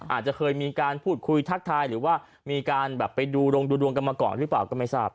อาจจะเคยมีการพูดคุยทักทายหรือว่ามีการแบบไปดูรงดูดวงกันมาก่อนหรือเปล่าก็ไม่ทราบ